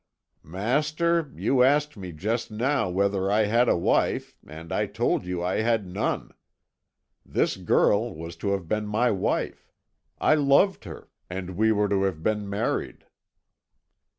"Master, you asked me just now whether I had a wife, and I told you I had none. This girl was to have been my wife. I loved her, and we were to have been married."